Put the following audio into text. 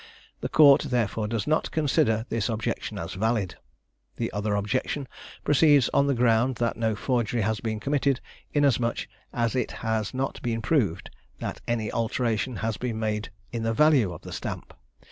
The court therefore does not consider this objection as valid. The other objection proceeds on the ground, that no forgery has been committed, inasmuch as it has not been proved, that any alteration has been made in the value of the stamp.